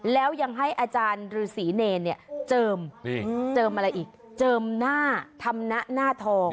แล้วยังให้อาจารย์ฤษีเนรเนี่ยเจิมเจิมอะไรอีกเจิมหน้าธรรมนะหน้าทอง